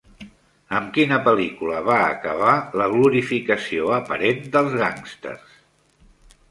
Amb quina pel·lícula va acabar la glorificació aparent dels gàngsters?